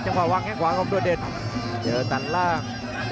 จังหว่างที่ของโดดดนเจอตันราก